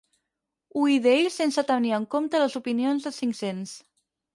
Ho idei sense tenir en compte les opinions de cinc-cents.